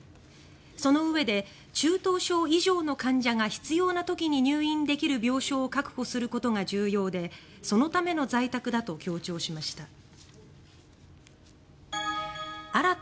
そのうえで、中等症以上の患者が必要な時に入院できる病床を確保することが重要でそのための在宅だと強調しました。